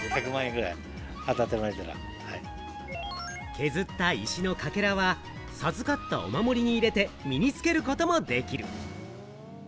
削った石のかけらは授かったお守りに入れて、身につけることもできる。